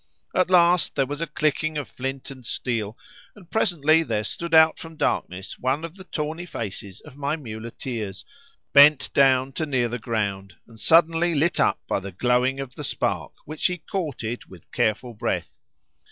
At last there was a clicking of flint and steel, and presently there stood out from darkness one of the tawny faces of my muleteers, bent down to near the ground, and suddenly lit up by the glowing of the spark which he courted with careful breath.